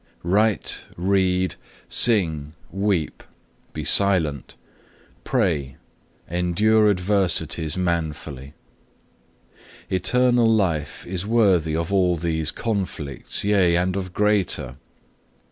Write, read, sing, weep, be silent, pray, endure adversities manfully; eternal life is worthy of all these conflicts, yea, and of greater.